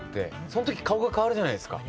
その時顔が変わるじゃないですか。